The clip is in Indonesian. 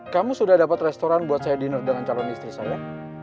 kamu sudah dapat restoran buat saya dinner dengan calon istri saya